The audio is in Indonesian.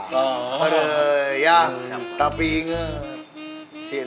penopisan ya kopi kasihan ya lo